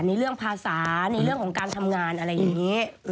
ในเรื่องภาษาในเรื่องของการทำงานอะไรอย่างนี้